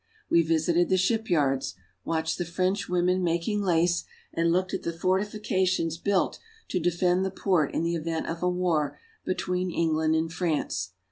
We visited the shipyards, watched the French women making lace, and looked at the fortifications built to defend the port in the event of a war between England and France.